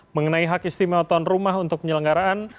mengenai hak istimewa tuan rumah untuk penyelenggaraan